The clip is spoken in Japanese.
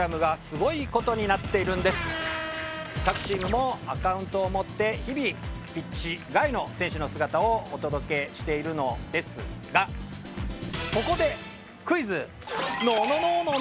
各チームもアカウントを持って日々ピッチ外の選手の姿をお届けしているのですがここで。